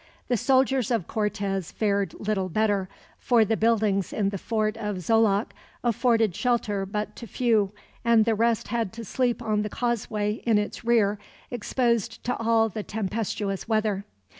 The soldiers of Cortez fared little better, for the buildings in the fort of Xoloc afforded shelter but to few; and the rest had to sleep on the causeway in its rear, exposed to all the tempestuous weather.